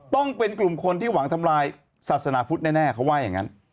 ต้องเป็นกลุ่มคนที่หวังทำลายศาสนาพุทธแน่เขาว่าอย่างนั้น